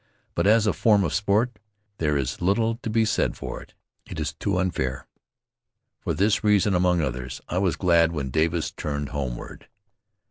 But as a form of sport, there is little to be said for it. It is too unfair. For this reason, among others, I was glad when Davis turned homeward.